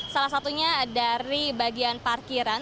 salah satunya dari bagian parkiran